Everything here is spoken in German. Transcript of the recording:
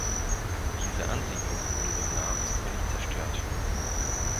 Diese Ansiedlung wurde demnach völlig zerstört.